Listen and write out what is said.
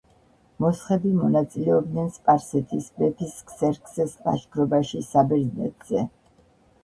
მოსხები მონაწილეობდნენ სპარსეთის მეფის ქსერქსეს ლაშქრობაში საბერძნეთზე.